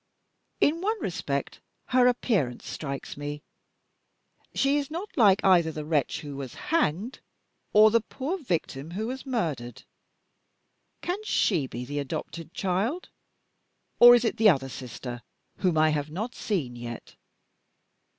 In one respect, her appearance strikes me. She is not like either the wretch who was hanged, or the poor victim who was murdered. Can she be the adopted child? Or is it the other sister, whom I have not seen yet?